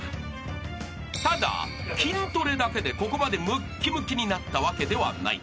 ［ただ筋トレだけでここまでむっきむきになったわけではない］